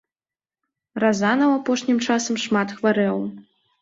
Разанаў апошнім часам шмат хварэў.